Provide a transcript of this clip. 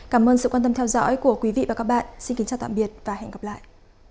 cảm ơn sự quan tâm theo dõi của quý vị và các bạn xin kính chào tạm biệt và hẹn gặp lại